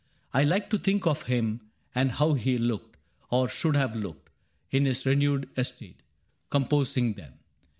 I like to think of him, and how he looked — Or should have looked — in his renewed estate, Composing them.